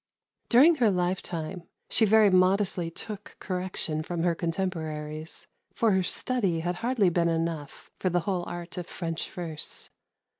During her lifetime she very modestly took correction from her contemporaries, for her study had hardly been enough for the whole art of French verse.